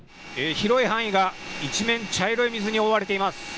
広い範囲が一面茶色い水に覆われています。